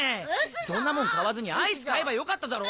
そんなもん買わずにアイス買えばよかっただろ！